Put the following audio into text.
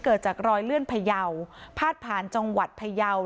เกิดจากรอยเลื่อนพยาวพาดผ่านจังหวัดพยาว